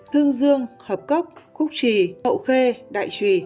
hương dương hợp cốc khúc trì hậu khê đại trùy